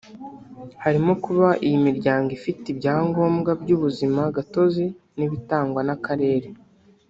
harimo kuba iyi miryango ifite ibya ngombwa by’ubuzima gatozi n’ibitangwa n’Akarere